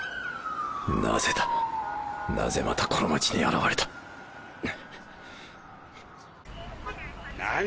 なぜだなぜまたこの街に現れた⁉何！